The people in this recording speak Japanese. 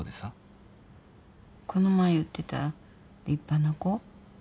この前言ってた立派な子？